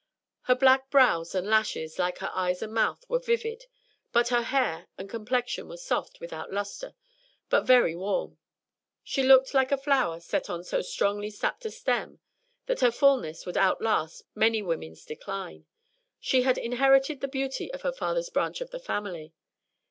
Her black brows and lashes, like her eyes and mouth, were vivid, but her hair and complexion were soft, without lustre, but very warm. She looked like a flower set on so strongly sapped a stem that her fullness would outlast many women's decline. She had inherited the beauty of her father's branch of the family.